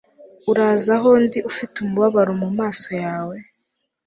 uraza aho ndi ufite umubabaro mumaso yawe